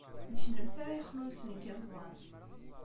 D kennemti ara yexnunsen deg yiẓẓan.